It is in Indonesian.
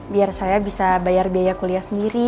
biar saya bisa bayar biaya kuliah sendiri